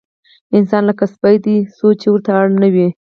انسان لکه سپی دی، څو چې ورته اړ نه وي.